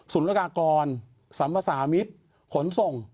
ศูนย์รากากรสัมภาษามิตรขนส่ง